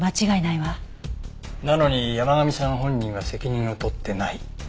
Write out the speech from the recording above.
なのに山神さん本人は責任を取ってない。